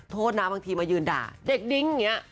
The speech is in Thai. โทษนะบางทีมายืนด่าเด็กดิ้งอย่างนี้